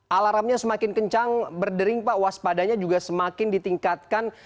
alarmnya semakin kencang berdering pak waspadanya juga semakin ditingkatkan